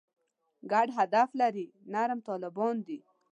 ګډ هدف لري «نرم طالبان» دي.